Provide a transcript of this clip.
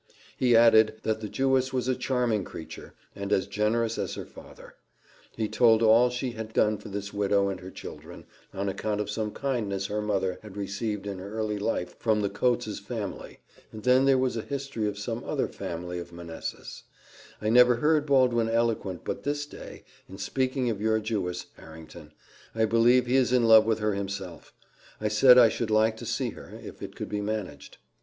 He added, that the Jewess was a charming creature, and as generous as her father: he told all she had done for this widow and her children, on account of some kindness her mother had received in early life from the Coates's family; and then there was a history of some other family of Manessas I never heard Baldwin eloquent but this day, in speaking of your Jewess: Harrington, I believe he is in love with her himself. I said I should like to see her, if it could be managed.